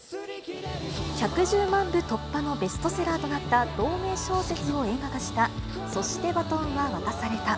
１１０万部突破のベストセラーとなった同名小説を映画化した、そして、バトンは渡された。